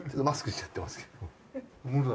マスクしちゃってますけども。